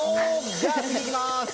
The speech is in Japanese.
じゃあ次、行きます。